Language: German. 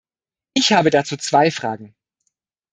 Ich habe dazu zwei Fragen.